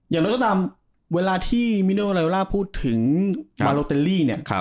อย่างน้อยก็ตามเวลาที่มิโนไลโวล่าพูดถึงบาร์โลเตอรี่เนี่ย